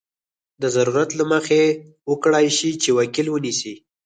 د ضرورت له مخې وکړای شي چې وکیل ونیسي.